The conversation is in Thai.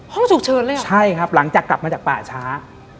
ห้องฉุกเฉินเลยเหรอใช่ครับหลังจากกลับมาจากป่าช้า